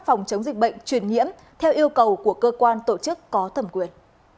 phòng chống dịch bệnh truyền nhiễm theo yêu cầu của cơ quan tổ chức có thẩm quyền